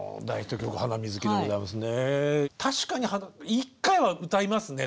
確かに１回は歌いますね